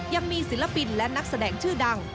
ยังมีศิลปินและนักแสดงชื่อดัง